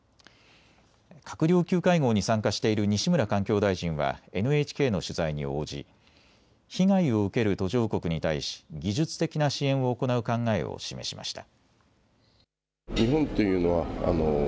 閣僚級会合に参加している西村環境大臣はＮＨＫの取材に応じ被害を受ける途上国に対し技術的な支援を行う考えを示しました。